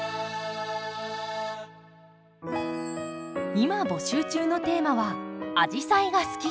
今募集中のテーマは「アジサイが好き！」。